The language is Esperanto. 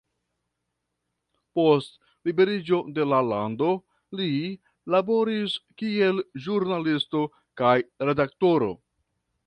Post liberiĝo de la lando li laboris kiel ĵurnalisto kaj redaktoro.